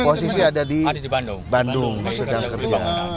posisi ada di bandung sedang kerja